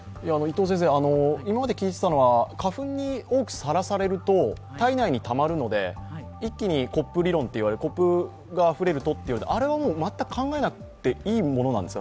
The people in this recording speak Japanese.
今まで聞いていたのは花粉に多くさらされると体内にたまるので、一気にコップ理論といわれる、コップがあふれるとという、あれはもう全く考えなくていいものなんですか？